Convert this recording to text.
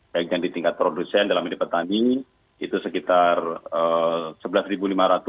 baik yang di tingkat produsen dalam ini petani itu sekitar rp sebelas lima ratus